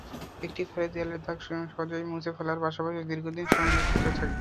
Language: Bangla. এটি ঘরের দেয়ালের দাগ সহজেই মুছে ফেলার পাশাপাশি দীর্ঘদিন সুরক্ষিত রাখবে।